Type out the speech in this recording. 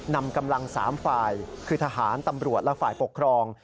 นำกำลัง๓ฝ่ายคือทหารตำรวจและฝ่ายปกครอง